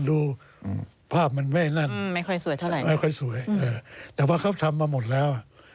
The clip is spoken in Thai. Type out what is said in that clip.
ดูภาพมันไม่นั่นไม่ค่อยสวยเท่าไหร่ไม่ค่อยสวยแต่ว่าเขาทำมาหมดแล้ว